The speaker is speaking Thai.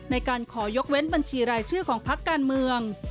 ในการขอยกเว้นบัญชีรายชื่อของพักการเมือง